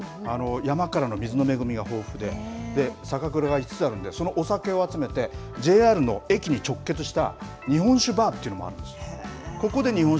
山からの水の恵みが豊富で、酒蔵が５つあるんで、そのお酒を集めて、ＪＲの駅に直結した日本酒バーというのもあるんです。